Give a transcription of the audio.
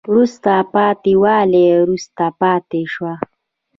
وروسته پاتې والی وروسته پاتې شوه